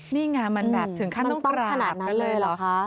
นี่ไงมันถึงขั้นต้มกราบเลยหรอ